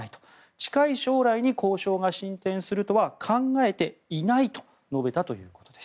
近い将来に交渉が進展するとは考えていないと述べたということです。